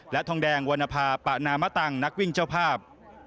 และทองแดงวรรณภาปะนามตังนักวิ่งเจ้าภาพ